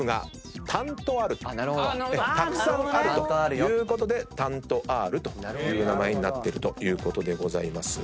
たくさんあるということで『タントアール』という名前になってるということでございます。